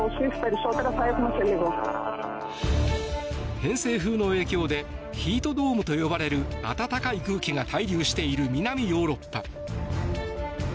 偏西風の影響でヒートドームと呼ばれる暖かい空気が滞留している南ヨーロッパ。